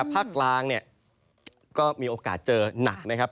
ภาคกลางเนี่ยก็มีโอกาสเจอหนักนะครับ